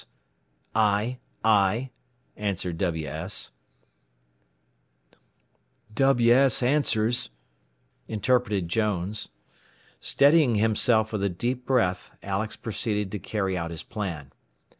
"WS, WS " "I, I," answered WS. "WS answers," interpreted Jones. Steadying himself with a deep breath, Alex proceeded to carry out his plan.